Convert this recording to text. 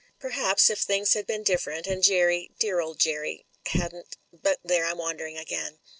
Perhaps, if things had been differ ent, and Jerry — dear old Jerry — ^hadn't But there, I'm wandering again.